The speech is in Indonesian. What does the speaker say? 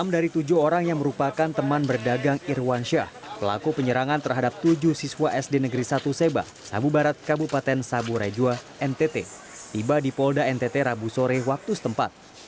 enam dari tujuh orang yang merupakan teman berdagang irwansyah pelaku penyerangan terhadap tujuh siswa sd negeri satu seba sabu barat kabupaten sabu raijua ntt tiba di polda ntt rabu sore waktu setempat